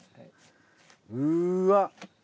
うわっ！